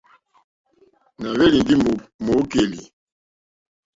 Nà hwélì ndé mòòkèlì,.